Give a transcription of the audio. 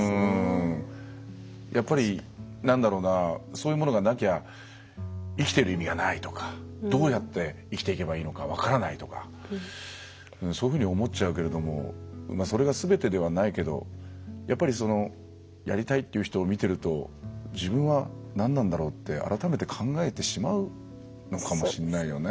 やっぱりそういうものがなきゃ生きてる意味がないとかどうやって生きていけばいいのか分からないとか、そういうふうに思っちゃうけれどもそれがすべてではないけどやっぱり、やりたいっていう人を見てると自分は何なんだろうって改めて考えてしまうのかもしんないよね。